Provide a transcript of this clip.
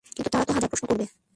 কিন্তু তারা তো হাজারো প্রশ্ন করবে।